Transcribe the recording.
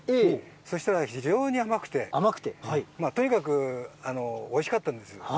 そしたら非常に甘くて、とにかくおいしかったんです。